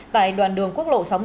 tại đoàn đường quốc lộ sáu mươi ba